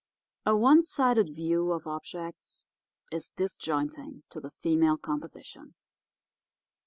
A one sided view of objects is disjointing to the female composition.